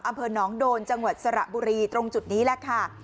อำเภอหนองโดนจังหวัดสระบุรีตรงจุดนี้แหละค่ะ